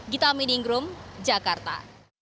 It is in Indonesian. gita meningrum jakarta